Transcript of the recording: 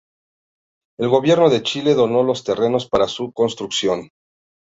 El gobierno de Chile donó los terrenos para su construcción.